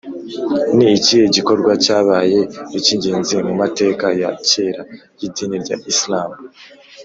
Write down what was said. ni ikihe gikorwa cyabaye icy’ingenzi mu mateka ya kera y’idini rya isilamu?